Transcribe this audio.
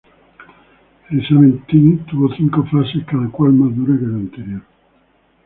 El examen tuvo cinco fases, cada cual más dura que la anterior.